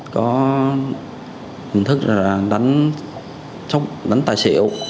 có hình thức là đánh tài xỉu